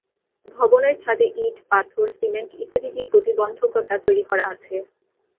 ভবনের ছাদে ইট, পাথর, সিমেন্ট ইত্যাদি দিয়ে প্রতিবন্ধকতা তৈরি করা আছে।